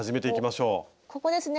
ここですね